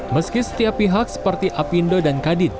meski setiap pihak seperti apindo dan kadin